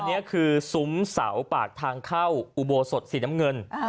อันนี้คือซุ้มเสาปากทางเข้าอุโบสถสีน้ำเงิน